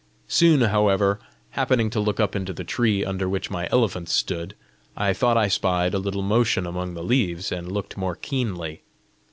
Soon, however, happening to look up into the tree under which my elephants stood, I thought I spied a little motion among the leaves, and looked more keenly.